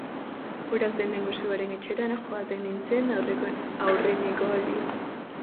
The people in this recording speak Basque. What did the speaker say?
Hura zen lehengusuaren etxera joaten nintzen aurreneko aldia.